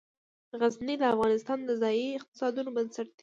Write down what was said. غزني د افغانستان د ځایي اقتصادونو بنسټ دی.